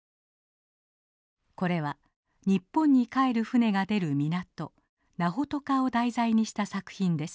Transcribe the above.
これは日本に帰る船が出る港ナホトカを題材にした作品です。